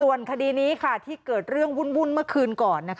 ส่วนคดีนี้ที่เกิดเรื่องวุ่นเมื่อคืนก่อน